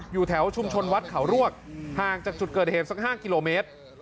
อยู่แถวชุมชนวัดเขารวกห่างจากจุดเกิดเหตุสัก๕กิโลเมตร